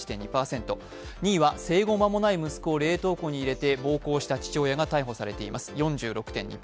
２位は生後間もない息子を冷凍庫に入れた父親が逮捕されています。